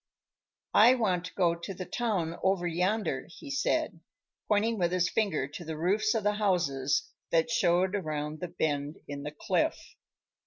"I want to go to the town over yonder," he said, pointing with his finger to the roofs of the houses that showed around the bend in the cliff.